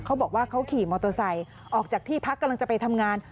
เขาบอกว่าเขาขี่มอเตอร์ไซค์ออกจากที่พักกำลังจะไปทำงาน